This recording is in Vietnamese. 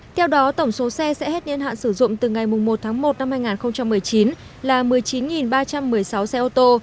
theo đó tổng số xe sẽ hết niên hạn sử dụng từ ngày một tháng một năm hai nghìn một mươi chín là một mươi chín ba trăm một mươi sáu xe ô tô